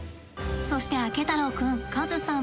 そしてあけ太郎くんカズさん